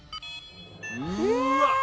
うわっ！